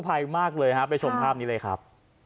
ภัยมากเลยฮะไปชมภาพนี้เลยครับ